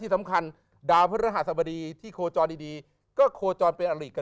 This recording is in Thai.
ที่สำคัญดาวพฤษภาษาบดีที่โคจรดีก็โคจรเป็นอันหลีกกับ